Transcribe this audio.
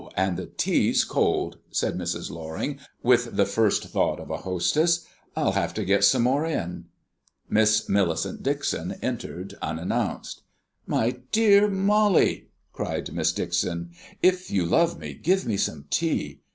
and the tea's cold!" said Mrs. Loring, with the first thought of a hostess. "I'll have to get some more in." Miss Millicent Dixon entered unannounced. "My Dear Molly," cried Miss Dixon, "if you love me, give me some tea.